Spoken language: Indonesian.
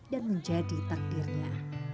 dan menjadi takdirnya